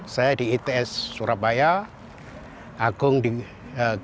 saya di its surabaya agung di gaza